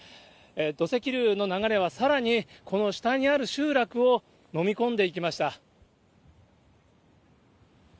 土石流の流れはさらにこの下にある住宅を飲み込んでいきました。